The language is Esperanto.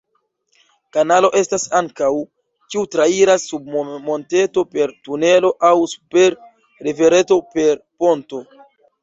Kanalo estas ankaŭ, kiu trairas sub monteto per tunelo aŭ super rivereto per ponto.